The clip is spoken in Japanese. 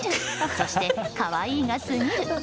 そして可愛いがすぎる！